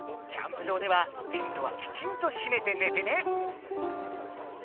キャンプ場ではテントはきちんとしめてねてね。